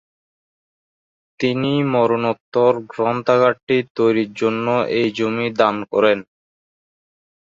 তিনি মরণোত্তর গ্রন্থাগারটি তৈরির জন্য এই জমি দান করেন।